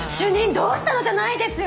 どうしたのじゃないですよ。